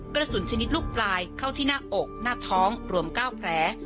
กระสุนชนิดลูกปลายเข้าที่หน้าอกหน้าท้องรวมเก้าแผล